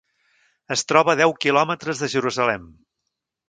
Es troba a deu quilòmetres de Jerusalem.